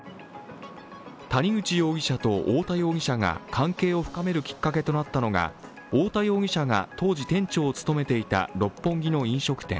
谷口容疑者と太田容疑者が関係を深めるきっかけとなったのが太田容疑者が当時店長を務めていた六本木の飲食店。